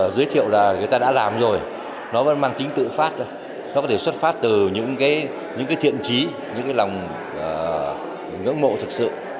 giới thiệu là người ta đã làm rồi nó vẫn mang tính tự phát nó có thể xuất phát từ những cái thiện trí những cái lòng ngưỡng mộ thực sự